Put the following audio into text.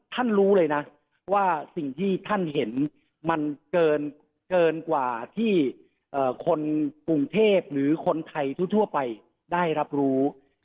ท่านรู้เลยนะว่าสิ่งที่ท่านเห็นมันเกินกว่าที่คนกรุงเทพหรือคนไทยทั่วไปได้รับรู้